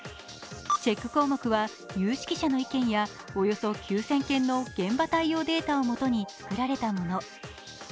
チェック項目は有識者の意見やおよそ９０００件の現場対応データをもとに作られたもの。